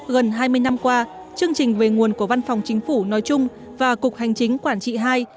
gần hai mươi năm qua chương trình về nguồn của văn phòng chính phủ nói chung và cục hành chính quản trị ii